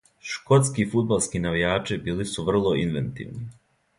Шкотски фудбалски навијачи били су врло инвентивни.